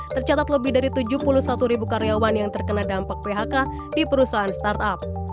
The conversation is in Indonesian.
tercatat lebih dari tujuh puluh satu ribu karyawan yang terkena dampak phk di perusahaan startup